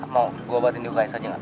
mau gue obatin di uks aja gak